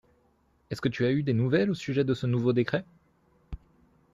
Est-ce que tu as eu des nouvelles au sujet de ce nouveau décret ?